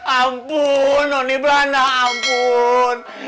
ampun nani bala nek ampun